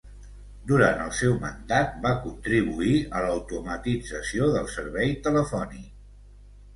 Durant el seu mandat va contribuir a l'automatització del servei telefònic.